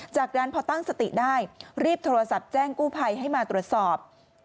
จากนั้นพอตั้งสติได้รีบโทรศัพท์แจ้งกู้ภัยให้มาตรวจสอบ